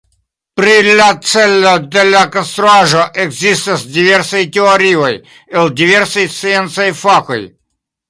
Pri la celo de la konstruaĵo ekzistas diversaj teorioj el diversaj sciencaj fakoj.